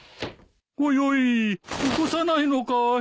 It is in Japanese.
おいおい起こさないのかい。